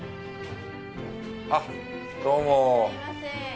あっ、どうも。